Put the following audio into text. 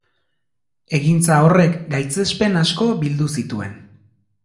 Egintza horrek gaitzespen asko bildu zituen.